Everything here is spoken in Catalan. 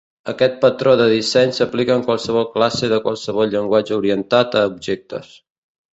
Aquesta patró de disseny s'aplica en qualsevol classe a qualsevol llenguatge orientat a objectes.